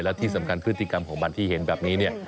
และที่สำคัญพฤติกรรมของมันที่เห็นแบบนี้เนี่ย